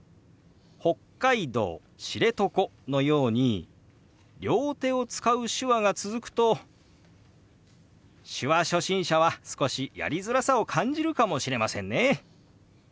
「北海道知床」のように両手を使う手話が続くと手話初心者は少しやりづらさを感じるかもしれませんね。